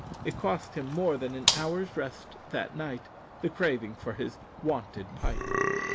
It cost him more than an hour's rest that night, the craving for his wonted pipe.